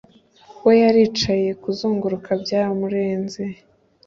we. yaricaye. kuzunguruka byaramurenze